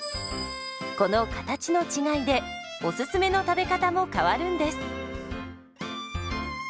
この形の違いでおすすめの食べ方も変わるんです。